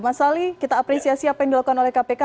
mas ali kita apresiasi apa yang dilakukan oleh kpk